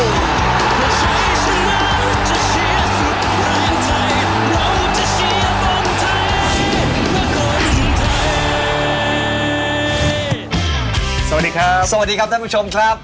สวัสดีครับสวัสดีครับท่านผู้ชมครับ